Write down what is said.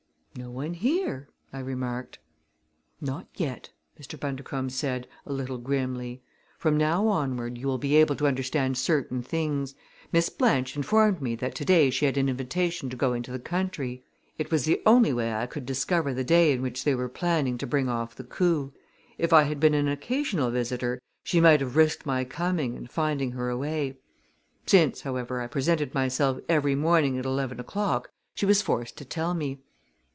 "No one here!" I remarked. "Not yet!" Mr. Bundercombe said, a little grimly. "From now onward you will be able to understand certain things. Miss Blanche informed me that to day she had an invitation to go into the country. It was the only way I could discover the day in which they were planning to bring off the coup. If I had been an occasional visitor she might have risked my coming and finding her away. Since, however, I presented myself every morning at eleven o'clock she was forced to tell me.